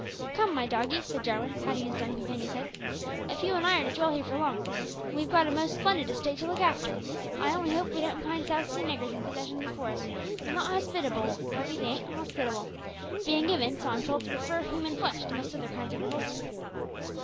"Come, my doggie," said Jarwin, patting his dumb companion's head, "if you and I are to dwell here for long, we've got a most splendid estate to look after. I only hope we won't find South Sea niggers in possession before us, for they're not hospitable, Cuffy, they ain't hospitable, bein' given, so I'm told, to prefer human flesh to most other kinds o' wittles."